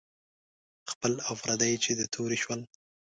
خپل او پردي چې د تورې شول.